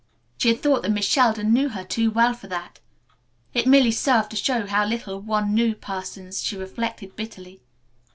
She had thought that Miss Sheldon knew her too well for that. It merely served to show how little one knew persons, she reflected bitterly.